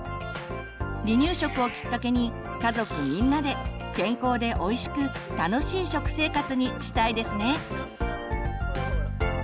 離乳食をきっかけに家族みんなで健康でおいしく楽しい食生活にしたいですね。